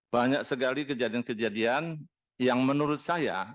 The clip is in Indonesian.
banyak sekali kejadian kejadian yang menurut saya